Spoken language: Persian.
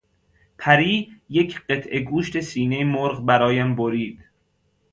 پری یک قطعه گوشت سینهی مرغ برایم برید.